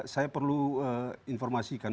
saya perlu informasikan